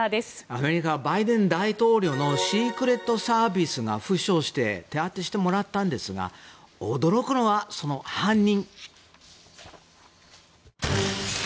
アメリカバイデン大統領のシークレットサービスが負傷して手当てしてもらったんですが驚くのは、その犯人。